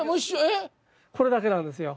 これだけなんですよ。